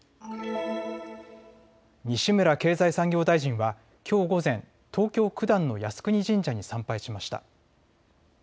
西村経済産業大臣はきょう午前、東京九段の靖国神社に参拝しました。